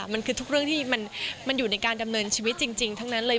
มันคือทุกเรื่องที่มันอยู่ในการดำเนินชีวิตจริงทั้งนั้นเลย